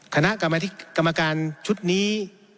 คณะกรรมการชุดนี้